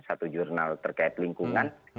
satu jurnal terkait lingkungan